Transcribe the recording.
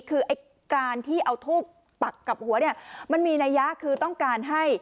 คือไอ้การที่เอาทูบปักกับหัวเนี่ยมันมีนัยยะคือต้องการให้